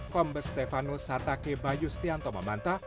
kombes stefanus satake bayu stianto mamanta